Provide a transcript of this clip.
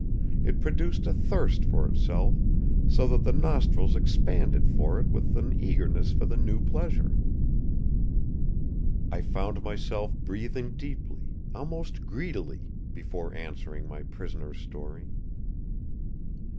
It produced a thirst for itself, so that the nostrils expanded for it with an eagerness for the new pleasure. I found myself breathing deeply, almost greedily, before answering my prisoner's story.